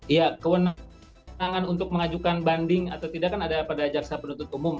iya kewenangan untuk mengajukan banding atau tidak kan ada pada jaksa penuntut umum